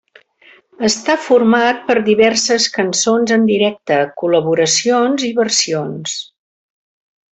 Està format per diverses cançons en directe, col·laboracions i versions.